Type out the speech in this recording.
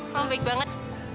kamu baik banget